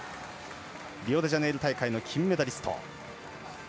リオデジャネイロ大会の金メダリスト。